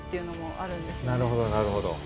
なるほどなるほど。